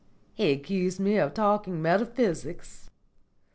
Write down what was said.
He accused me of talking metaphysics."